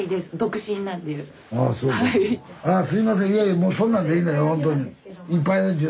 いやいやもうそんなんでいいのよ